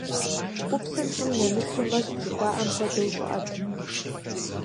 Ӏупсыр щӀым нэмысыу мэщт жыхуаӏэм хуэдэу щӏыӏэт.